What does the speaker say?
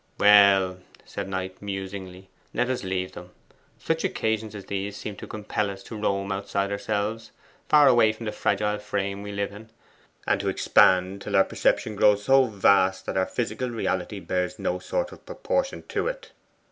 'Well,' said Knight musingly, 'let us leave them. Such occasions as these seem to compel us to roam outside ourselves, far away from the fragile frame we live in, and to expand till our perception grows so vast that our physical reality bears no sort of proportion to it.